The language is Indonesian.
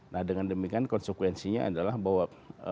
nah dengan demikian konsekuensinya adalah bahwa